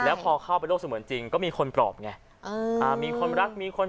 แล้วพอเข้าไปโลกเสมือนจริงก็มีคนปลอบไง